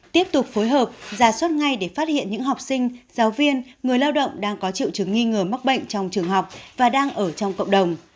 tiếp tục phối hợp giả soát ngay để phát hiện những học sinh giáo viên người lao động đang có triệu chứng nghi ngờ mắc bệnh trong trường học và đang ở trong cộng đồng